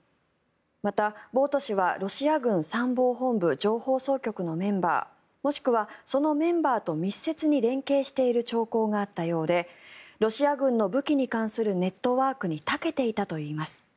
また、ボウト氏はロシア軍参謀本部情報総局のメンバーもしくはそのメンバーと密接に連携している兆候があったようでロシア軍の武器に関するネットワークに長けていたといいます。